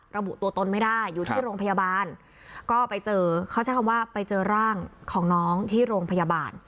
ระบุตัวตนไม่ได้อยู่ที่โรงพยาบาลก็ไปเจอเขาใช้คำว่าไปเจอร่างของน้องที่โรงพยาบาล